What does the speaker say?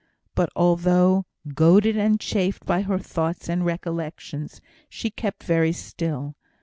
But, although goaded and chafed by her thoughts and recollections, she kept very still.